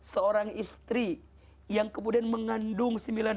seorang istri yang kemudian mengandung sembilan